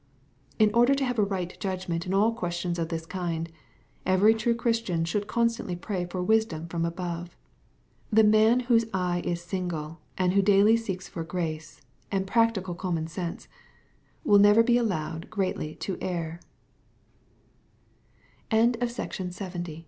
In order to have a right judgment in all questions of this kind, every true Christian should constantly pray for wisdom from above. The man whose eye is single, and who daily seeks for grace, and practical common sense, will never